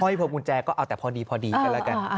พวงกุญแจก็เอาแต่พอดีกันแล้วกัน